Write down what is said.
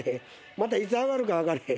またいつ上がるか分からへん。